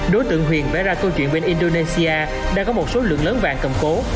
đối tượng huyền vẽ ra câu chuyện bên indonesia đang có một số lượng lớn vàng cầm cố